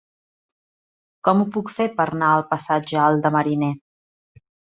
Com ho puc fer per anar al passatge Alt de Mariner?